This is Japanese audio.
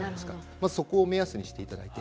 まずそこを目安にしていただいて。